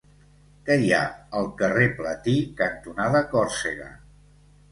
Què hi ha al carrer Platí cantonada Còrsega?